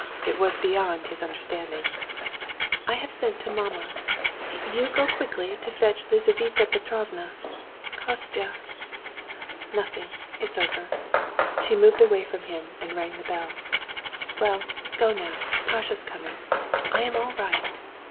It was beyond his understanding. "I have sent to mamma. You go quickly to fetch Lizaveta Petrovna ... Kostya!... Nothing, it's over." She moved away from him and rang the bell. "Well, go now; Pasha's coming. I am all right."